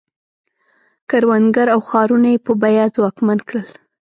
کروندګر او ښارونه یې په بیه ځواکمن کړل.